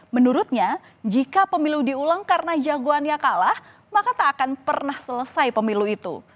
menurutnya jika pemilu diulang karena jagoannya kalah maka tak akan pernah selesai pemilu itu